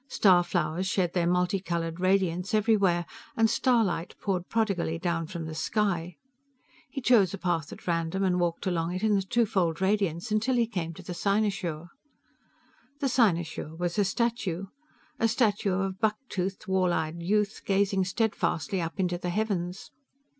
Star flowers shed their multicolored radiance everywhere, and starlight poured prodigally down from the sky. He chose a path at random and walked along it in the twofold radiance till he came to the cynosure. The cynosure was a statue a statue of a buck toothed, wall eyed youth gazing steadfastly up into the heavens.